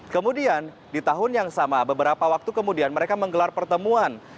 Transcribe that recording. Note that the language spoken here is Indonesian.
kemudian di tahun yang sama beberapa waktu kemudian mereka menggelar pertemuan